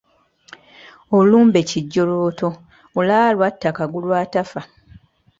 Olumbe kijjolooto olaba lwatta Kagulu atafa!